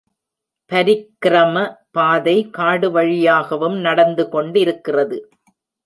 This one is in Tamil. பரிக்ரம பாதை காடு வழியாகவும் நடந்து கொண்டிருக்கிறது.